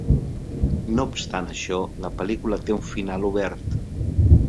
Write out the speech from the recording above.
No obstant això, la pel·lícula té un final obert.